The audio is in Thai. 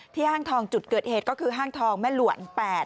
ห้างทองจุดเกิดเหตุก็คือห้างทองแม่หลวน๘